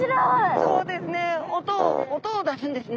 そうですね。